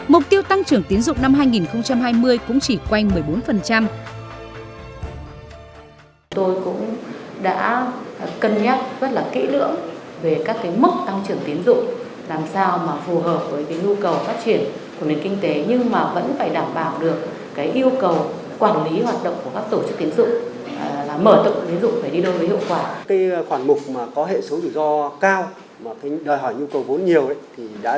mục tiêu tăng trưởng tín dụng năm hai nghìn hai mươi cũng chỉ quanh một mươi bốn